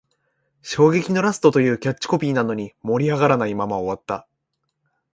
衝撃のラストというキャッチコピーなのに、盛り上がらないまま終わった